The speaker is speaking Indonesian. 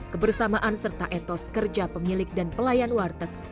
kebersamaan serta etos kerja pemilik dan pelayan warteg